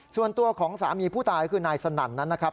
ส่วนตัวของสามีผู้ตายคือนายสนั่นนั้นนะครับ